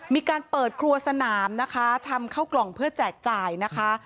มีการเปิดครัวสนามนะคะทำเข้ากล่องเพื่อแจกจ่ายนะคะ